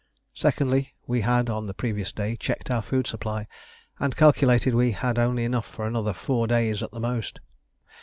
Secondly, we had on the previous day checked our food supply, and calculated we had only enough for another four days at the most.